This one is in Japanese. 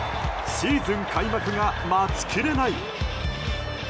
シーズン開幕が待ちきれない！